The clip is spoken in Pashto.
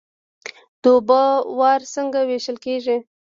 د اوبو وار څنګه ویشل کیږي؟